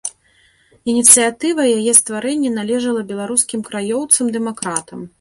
Ініцыятыва яе стварэння належала беларускім краёўцам-дэмакратам.